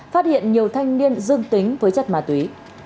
phát hiện nhiều thanh niên dương tính với chất ma túy